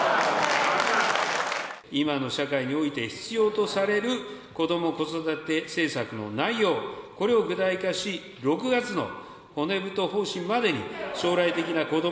今の社会において必要とされるこども・子育て政策の内容、これを具体化し、６月の骨太方針までに将来的なこども・